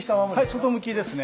外向きですね。